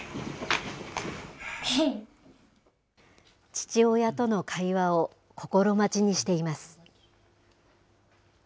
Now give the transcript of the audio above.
父親との会話を心待ちにしています。